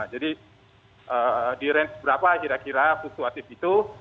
jadi di range berapa kira kira fluktuatif itu